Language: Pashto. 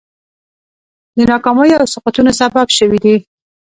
د ناکامیو او سقوطونو سبب شوي دي.